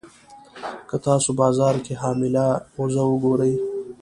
که تاسو بازار کې حامله اوزه وګورئ.